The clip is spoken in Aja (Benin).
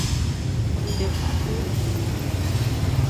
Ngdekuku mi.